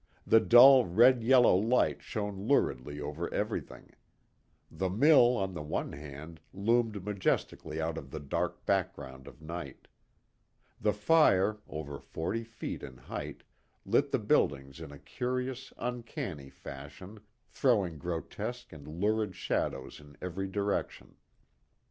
The dull red yellow light shone luridly over everything. The mill on the one hand loomed majestically out of the dark background of night. The fire, over forty feet in height, lit the buildings in a curious, uncanny fashion, throwing grotesque and lurid shadows in every direction.